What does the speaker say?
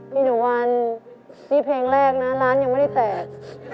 หนูวันนี่เพลงแรกนะร้านยังไม่ได้แตก